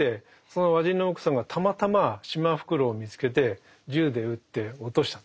その和人の婿さんがたまたまシマフクロウを見つけて銃で撃って落とした。